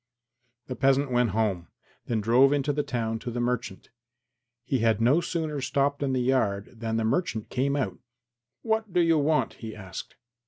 The peasant went home, then drove into the town to the merchant. He had no sooner stopped in the yard than the merchant came out. "What do you want?" he asked.